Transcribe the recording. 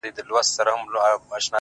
دا وايي دا توره بلا وړي څوك ـ